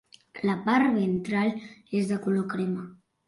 La part ventral és de color crema.